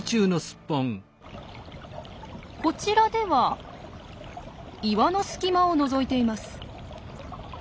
こちらでは岩の隙間をのぞいています。